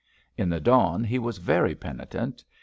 In the dawn he was very penitent.